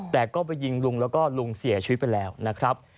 แต่ก็ไปยิงลุงแล้วก็ลุงเสียชีวิตไปแล้วนะครับ